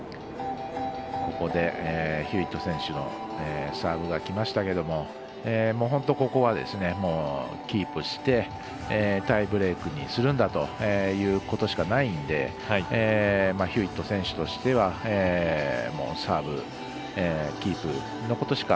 ここでヒューウェット選手のサーブがきましたけど本当にここはキープしてタイブレークにするんだということしかないのでヒューウェット選手としてはサーブキープのことしか